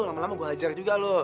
lama lama gua ajar juga lo